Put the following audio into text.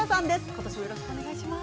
今年もよろしくお願いします。